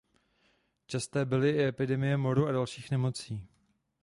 Časté byly i epidemie moru a dalších nemocí.